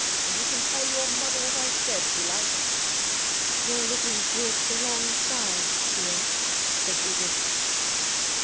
And you can tell your mother what I said if you like.' 'You're looking through it the wrong side, dear,' said Edith.